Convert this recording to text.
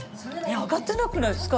上がってなくないですか？